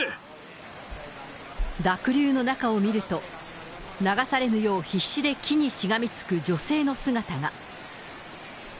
濁流の中を見ると、流されぬよう、必死に木にしがみつく女性の姿が。